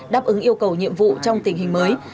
đáp ứng yêu cầu nhiệm vụ trong tình hình mới